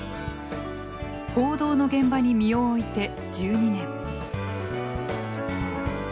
報道の現場に身を置いて１２年。